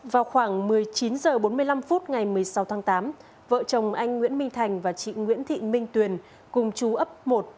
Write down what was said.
vào khoảng một mươi chín h bốn mươi năm phút ngày một mươi sáu tháng tám vợ chồng anh nguyễn minh thành và chị nguyễn thị minh tuyền cùng chú ấp một